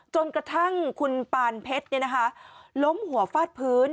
จนกระทั่งคุณปานเพชรล้มหัวฟาดพื้น